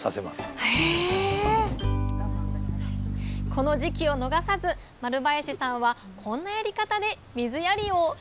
この時期を逃さず丸林さんはこんなやり方で水やりを！